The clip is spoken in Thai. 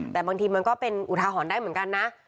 แต่บางทีมันก็เป็นอุทาหรณ์ได้เหมือนกันนะ